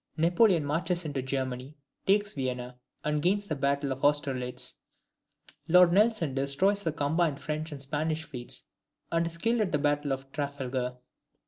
Napoleon marches into Germany, takes Vienna, and gains the battle of Austerlitz. Lord Nelson destroys the combined French and Spanish fleets, and is killed at the battle of Trafalgar.